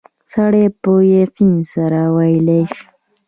سړی په یقین سره ویلای شي.